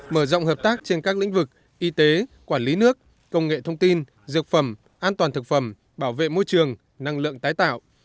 mở rộng hợp tác trên các lĩnh vực y tế quản lý nước công nghệ thông tin dược phẩm an toàn thực phẩm bảo vệ môi trường năng lượng tái tạo